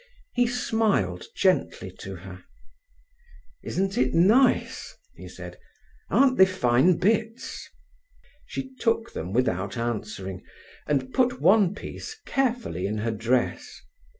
He smiled gently to her. "Isn't it nice?" he said. "Aren't they fine bits?" She took them without answering, and put one piece carefully in her dress.